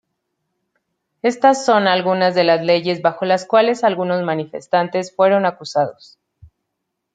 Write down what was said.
Estas son algunas de las leyes bajo las cuales algunos manifestantes fueron acusados.